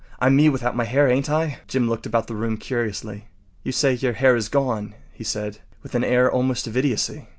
I’m me without my hair, ain’t I?” Jim looked about the room curiously. “You say your hair is gone?” he said, with an air almost of idiocy.